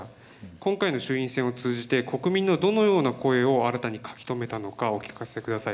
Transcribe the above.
今回の衆院選を通じて国民のどのような声を新たに書き留めたのか、お聞かせください。